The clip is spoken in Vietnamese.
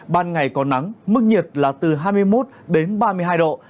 ban ngày có nắng mức nhiệt là từ hai mươi một đến ba mươi hai độ